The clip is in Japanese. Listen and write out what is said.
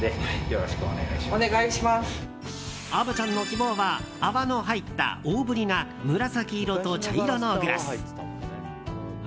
虻ちゃんの希望は泡の入った大ぶりな紫色と茶色のグラス。